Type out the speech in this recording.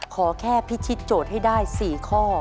ขอแค่พิชิตโจทย์ให้ได้๔ข้อ